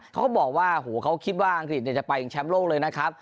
เขาก็บอกว่าโหเขาคิดว่าอังกฤษจะไปแชมป์โลกเลยนะครับ